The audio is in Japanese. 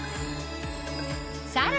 さらに